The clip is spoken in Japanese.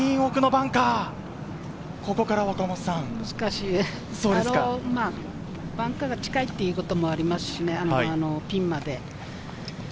バンカーが近いということもありますし、ピンまで。